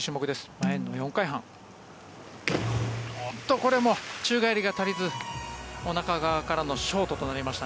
これも宙返りが足りずおなか側からのショートとなりました。